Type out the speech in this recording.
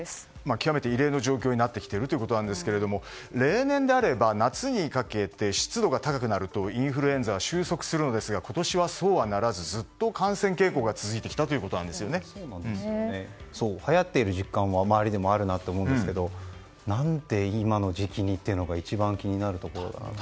極めて異例の状況となっているということですが例年であれば夏にかけて湿度が高くなるとインフルエンザは収束するのですが今年はそうはならずずっと感染傾向がはやっている実感は周りでもあると思いますが何で今の時期にというのが一番気になるところです。